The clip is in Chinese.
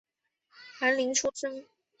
翰林出身。